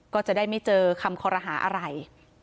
ก็จะได้ไม่เจอคำคอรหาอะไร